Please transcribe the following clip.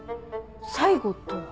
最後とは？